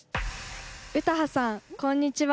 詩羽さんこんにちは。